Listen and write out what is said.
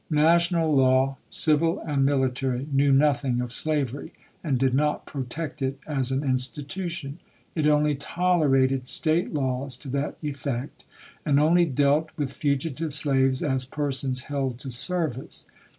National law, civil and military, knew nothing of slavery, and did not protect it as an institution. It only tolerated State laws to that effect, and only dealt with fugitive slaves as "persons held to service."